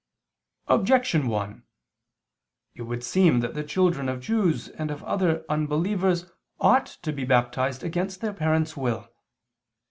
Objection 1: It would seem that the children of Jews and of other unbelievers ought to be baptized against their parents' will.